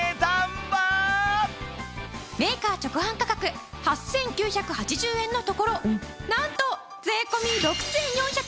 メーカー直販価格８９８０円のところなんと税込６４８０円！